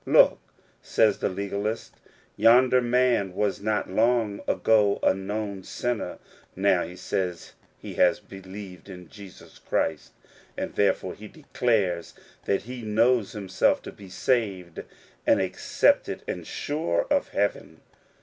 " Look," says the legalist, " yonder man was not long ago a known sinner ; now he says he has believed in Jesus Christ, and therefore he declares that he knows himself to be saved and accepted, and sure of heaven.